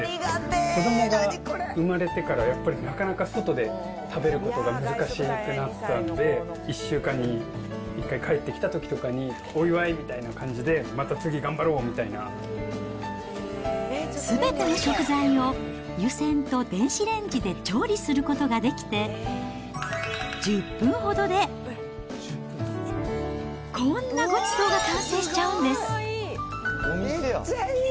子どもが生まれてから、やっぱりなかなか外で食べることが難しくなったんで、１週間に１回、帰ってきたときとかに、お祝いみたいな感じで、また次、すべての食材を湯煎と電子レンジで調理することができて、１０分ほどで、こんなごちそうが完成しちゃうんです。